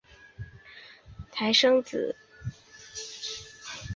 胎生紫堇为罂粟科紫堇属下的一个种。